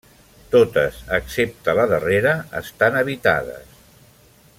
Totes, excepte la darrera, estan habitades.